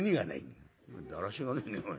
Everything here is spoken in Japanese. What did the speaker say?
「だらしがねえねおい。